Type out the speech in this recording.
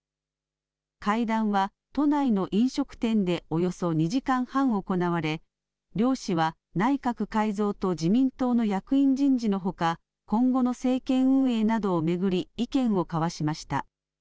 会談は都内の飲食店でおよそ２時間半行われ、両氏は内閣改造と自民党の役員人事のほか、今後の政権運営などを巡り、意見を交わしました。